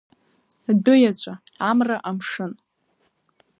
Адәы иаҵәа, амра, амшын…